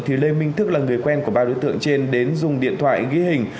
thì lê minh thức là người quen của ba đối tượng trên đến dùng điện thoại ghi hình